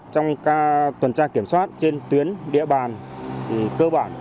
trong tuần tra kiểm soát trên tuyến địa bàn cơ bản